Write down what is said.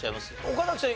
岡崎さん